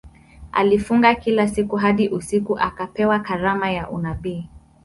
Alifunga kila siku hadi usiku akapewa karama ya unabii.